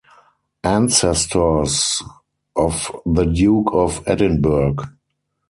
Ancestors of The Duke of Edinburgh.